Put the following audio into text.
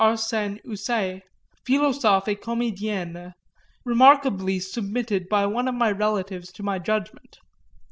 Arsène Houssaye, Philosophes et Comédiennes, remarkably submitted by one of my relatives to my judgment.